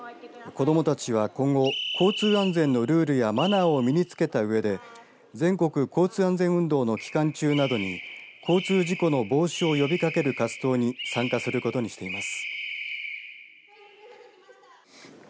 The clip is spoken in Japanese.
子どもたちは今後交通安全のルールやマナーを身につけたうえで全国交通安全運動の期間中などに交通事故の防止を呼びかける活動に参加することにしています。